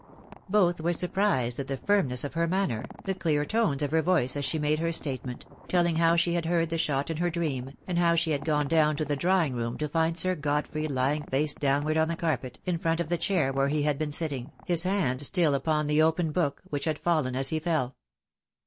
Both were surprised at the firmness of her manner, the clear tones of her voice as she made her statement, telling how she had heard the shot in her dream, and how she had gone down to the drawing room to find Sir Godfrey lying face downward on the carpet, in front of the chair where he had been sitting, his hand still upon the open book, which had fallen as he fell.